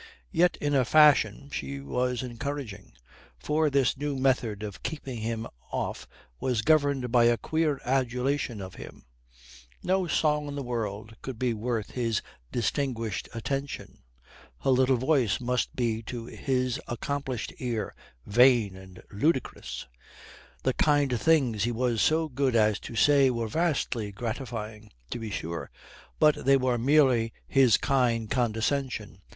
Yet in a fashion she was encouraging. For this new method of keeping him off was governed by a queer adulation of him: no song in the world could be worth his distinguished attention; her little voice must be to his accomplished ear vain and ludicrous; the kind things he was so good as to say were vastly gratifying, to be sure, but they were merely his kind condescension.